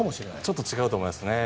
ちょっと違うと思います。